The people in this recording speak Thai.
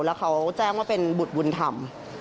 แล้วเขาแจ้งว่าเป็นบุตรบุญธรรม